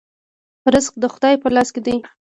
رزق د خدای په لاس کې دی